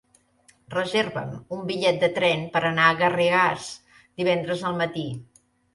Reserva'm un bitllet de tren per anar a Garrigàs divendres al matí.